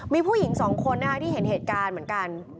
มีผู้หญิงสองคนนะคะที่เห็นเหตุการณ์เหมือนกัน